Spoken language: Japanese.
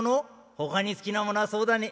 ほかに好きなものはそうだね。